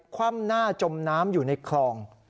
คว่ำหน้าจมน้ำอยู่ในคลอง